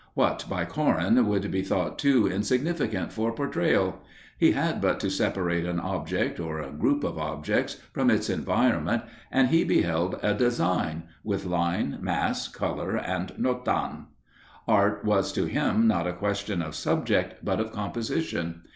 What by Korin would be thought too insignificant for portrayal? He had but to separate an object, or a group of objects, from its environment and he beheld a design, with line, mass, colour and notan. Art was to him not a question of subject, but of composition.